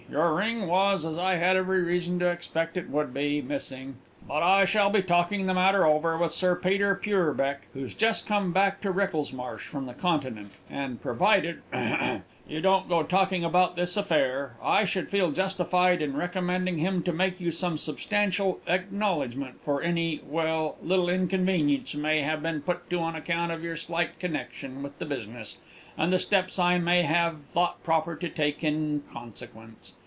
Your ring was, as I had every reason to expect it would be, missing. But I shall be talking the matter over with Sir Peter Purbecke, who's just come back to Wricklesmarsh from the Continent, and, provided ahem! you don't go talking about this affair, I should feel justified in recommending him to make you some substantial acknowledgment for any well, little inconvenience you may have been put to on account of your slight connection with the business, and the steps I may have thought proper to take in consequence.